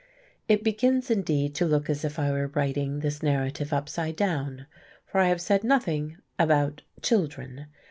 It begins indeed to look as if I were writing this narrative upside down, for I have said nothing about children.